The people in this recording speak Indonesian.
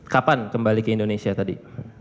kapan kembali ke indonesia tadi